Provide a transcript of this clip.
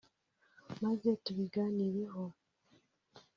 maze tubiganireho